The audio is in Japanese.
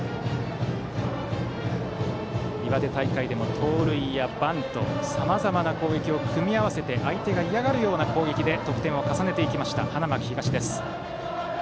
岩手大会でも盗塁やバントさまざまな攻撃を組み合わせて相手が嫌がるような攻撃で得点を重ねました花巻東。